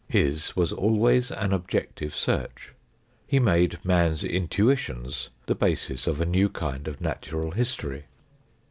His was always an objective search. He made man's intuitions the basis of a new kind of natural history.